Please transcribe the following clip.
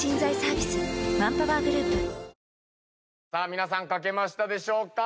皆さん書けましたでしょうか？